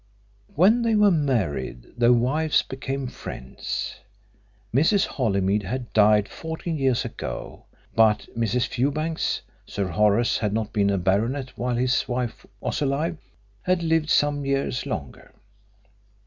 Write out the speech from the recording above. When they were married their wives became friends. Mrs. Holymead had died fourteen years ago, but Mrs. Fewbanks Sir Horace had not been a baronet while his wife was alive had lived some years longer.